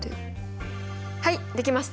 はいできました！